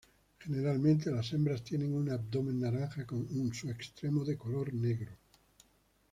Generalmente las hembras tienen un abdomen naranja con su extremo de color negro.